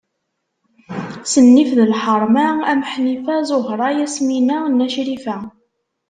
S nnif d lḥerma am: Ḥnifa, Zuhra, Yasmina, Na Crifa.